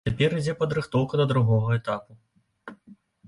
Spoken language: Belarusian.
Цяпер ідзе падрыхтоўка да другога этапу.